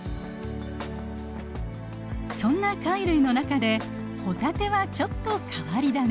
そんな貝類の中でホタテはちょっと変わり種。